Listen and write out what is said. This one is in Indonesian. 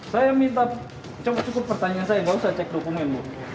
saya minta cukup pertanyaan saya gak usah cek dokumen